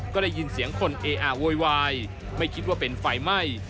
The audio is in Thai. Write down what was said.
ก็ได้ยินเสียงคนเออะโวยวายไม่คิดว่าเป็นไฟไหม้